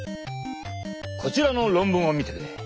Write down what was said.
こちらの論文を見てくれ。